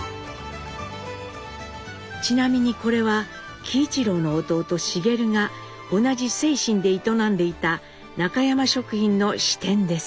ちなみにこれは喜一郎の弟茂が同じ清津で営んでいた中山食品の支店です。